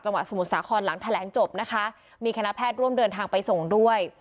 สมุทรสาครหลังแถลงจบนะคะมีคณะแพทย์ร่วมเดินทางไปส่งด้วย